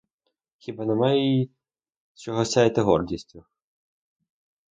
Хіба нема їй із чого сяяти гордістю?